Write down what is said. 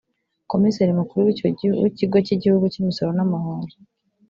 Komiseri Mukuru w’Ikigo cy’Igihugu cy’Imisoro n’amahoro